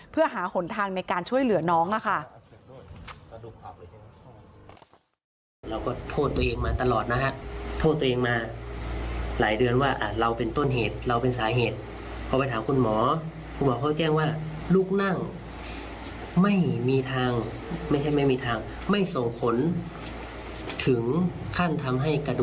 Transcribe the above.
เพื่อหาหนทางในการช่วยเหลือน้องค่ะ